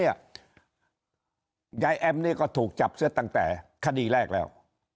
ยายแอมนี่ก็ถูกจับเสียตั้งแต่คดีแรกแล้ว